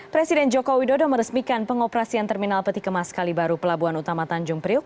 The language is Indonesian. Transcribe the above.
presiden joko widodo meresmikan pengoperasian terminal peti kemas kali baru pelabuhan utama tanjung priuk